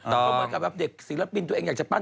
ถูกต้องเด็กศิลปินตัวเองอยากจะปั้น